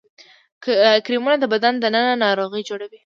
کرمونه د بدن دننه ناروغي جوړوي